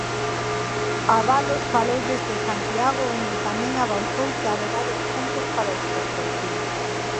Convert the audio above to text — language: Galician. Abalos falou desde Santiago, onde tamén avanzou que haberá descontos para os transportistas.